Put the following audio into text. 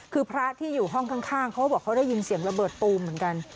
คือพระที่อยู่ห้องข้างเขาบอกเขาได้ยินเสียงระเบิดปูมเหมือนกัน